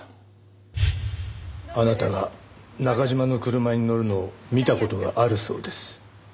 あなたが中嶋の車に乗るのを見た事があるそうです。